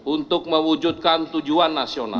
untuk mewujudkan tujuan nasional